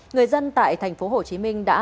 người dân tại thành phố hồ chí minh đã